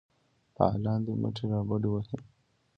فعالان دي مټې رابډ وهي.